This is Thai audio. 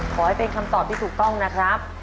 ขอให้เป็นคำตอบที่ถูกต้องนะครับ